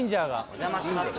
お邪魔します